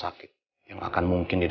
pangun jangan sama gini